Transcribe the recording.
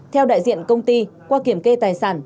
theo đại diện công ty qua kiểm kê tài sản